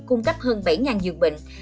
cung cấp hơn bảy dường bệnh